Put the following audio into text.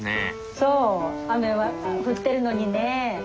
そう雨は降ってるのにね。